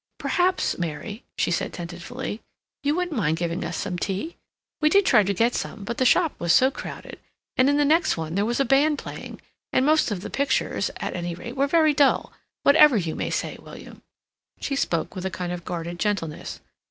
"Perhaps, Mary," she said tentatively, "you wouldn't mind giving us some tea? We did try to get some, but the shop was so crowded, and in the next one there was a band playing; and most of the pictures, at any rate, were very dull, whatever you may say, William." She spoke with a kind of guarded gentleness.